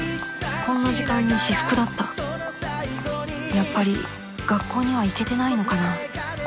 やっぱり学校には行けてないのかな？